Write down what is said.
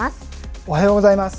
おはようございます。